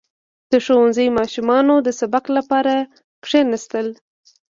• د ښوونځي ماشومانو د سبق لپاره کښېناستل.